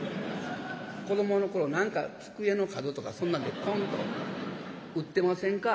子どもの頃何か机の角とかそんなんでコンと打ってませんか？